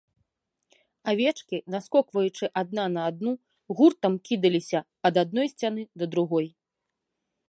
Авечкі, наскокваючы адна на адну, гуртам кідаліся ад адной сцяны да другой.